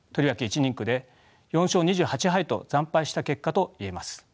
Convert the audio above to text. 一人区で４勝２８敗と惨敗した結果といえます。